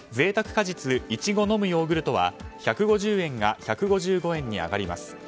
果実いちごのむヨーグルトは１５０円が１５５円に上がります。